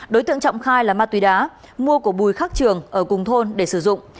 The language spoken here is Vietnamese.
đối tượng trọng khai là ma túy đá mua của bùi khắc trường ở cùng thôn để sử dụng